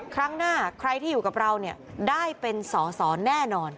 ครั้งหน้าใครที่อยู่กับเราได้เป็นสอสอแน่นอน